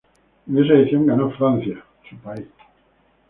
En esa edición ganó Francia, su país.